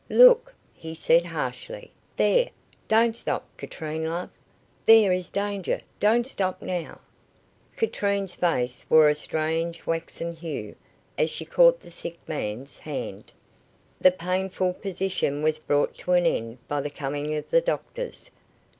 "Look," he said harshly. "There. Don't stop, Katrine, love. There is danger. Don't stop now." Katrine's face wore a strange waxen hue, as she caught the sick man's hand. The painful position was brought to an end by the coming of the doctors.